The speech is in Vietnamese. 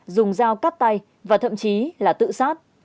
dùng dao cắt tay và thậm chí là tự sát